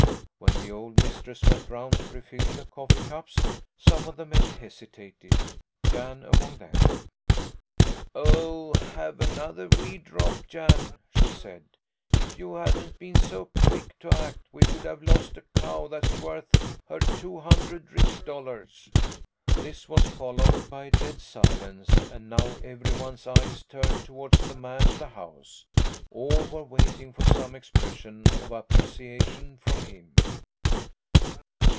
When the old mistress went round to refill the coffee cups some of the men hesitated; Jan among them. "Oh, have another wee drop, Jan!" she said. "If you hadn't been so quick to act we would have lost a cow that's worth her two hundred rix dollars." This was followed by a dead silence, and now every one's eyes turned toward the man of the house. All were waiting for some expression of appreciation from him.